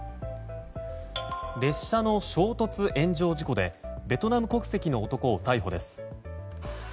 列車の衝突炎上事故でベトナム国籍の男を逮捕です。